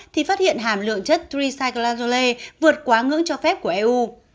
thì phát hiện hàm lượng chất tricyclazole vượt quá ngưng cho phép của eu